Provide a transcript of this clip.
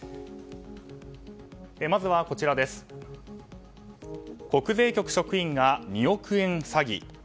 まずは、国税局職員が２億円詐欺。